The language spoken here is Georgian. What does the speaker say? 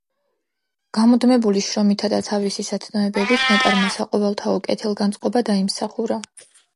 გამუდმებული შრომითა და თავისი სათნოებებით ნეტარმა საყოველთაო კეთილგანწყობა დაიმსახურა.